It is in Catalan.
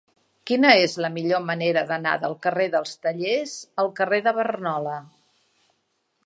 Quina és la millor manera d'anar del carrer dels Tallers al carrer de Barnola?